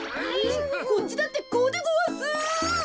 こっちだってこうでごわす。